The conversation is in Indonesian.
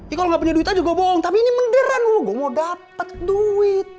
ini kalo ga punya duit aja gue bohong tapi ini beneran gue mau dapet duit